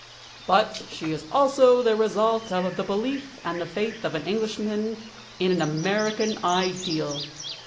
But she is also the result of the belief and the faith of an Englishman in an American ideal....